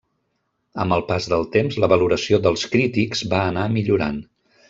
Amb el pas del temps, la valoració dels crítics va anar millorant.